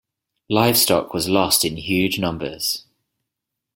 Livestock was lost in huge numbers.